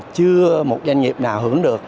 chưa một doanh nghiệp nào hưởng được